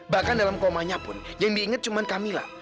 bahkan dalam komanya pun yang diinget cuma kamila